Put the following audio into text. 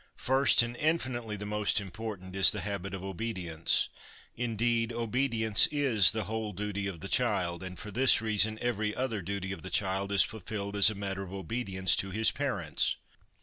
First, and infinitely the most important, is the habit of obedience. Indeed, obedience is the whole duty of the child, and for this reason every other duty of the child is fulfilled as a matter of obedience to his parents.